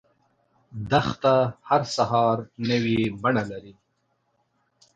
دښته هر سحر نوی بڼه لري.